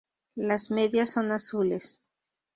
Las medias son azules.